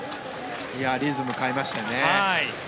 リズム変えましたよね。